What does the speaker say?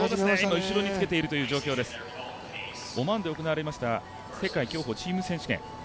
オマーンで行われました世界競歩チーム選手権。